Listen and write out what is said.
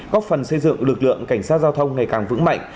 góp phần xây dựng lực lượng cảnh sát giao thông ngày càng vững mạnh